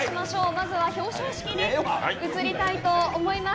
まずは表彰式に移りたいと思います。